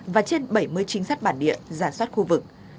và trên bảy mươi chính sách bản địa giả soát khu vực